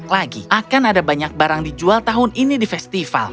lagi akan ada banyak barang dijual tahun ini di festival